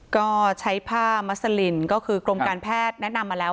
ก็ใช้ผ้ามัสลินก็คือกรมการแพทย์แนะนำมาแล้ว